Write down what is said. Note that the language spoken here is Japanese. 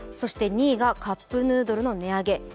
２位がカップヌードルの値上げ。